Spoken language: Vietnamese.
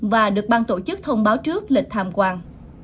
và được ban tổ chức thông báo trước lịch tham quan